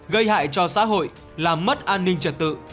gây hại cho xã hội làm mất an ninh trật tự